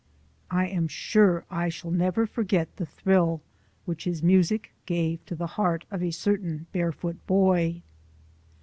I am sure I shall never forget the thrill which his music gave to the heart of a certain barefoot boy.